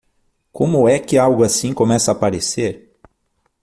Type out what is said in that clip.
Como é que algo assim começa a aparecer?